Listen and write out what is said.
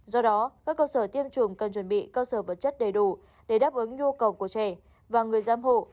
do đó các cơ sở tiêm chủng cần chuẩn bị cơ sở vật chất đầy đủ để đáp ứng nhu cầu của trẻ và người giám hộ